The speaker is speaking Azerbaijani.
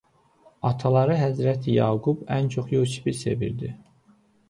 Ataları Həzrəti Yaqub ən çox Yusifi sevirdi.